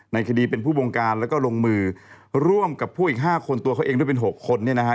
ในคดีเป็นผู้บงการแล้วก็ลงมือร่วมกับพวกอีก๕คนตัวเขาเองด้วยเป็น๖คนเนี่ยนะฮะ